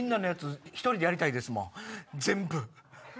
全部！